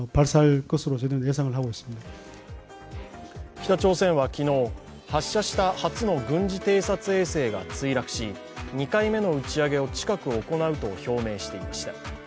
北朝鮮は昨日、発射した初の軍事偵察衛星が墜落し２回目の打ち上げを近く行うと表明していました。